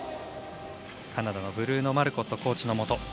カナダのブルーノ・マルコットコーチのもと